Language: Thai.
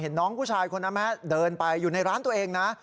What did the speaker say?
เห็นน้องผู้ชายคนอาแม่ดเดินไปอยู่ในร้านตัวเองน่ะ